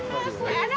あら？